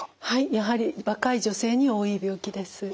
やはり若い女性に多い病気です。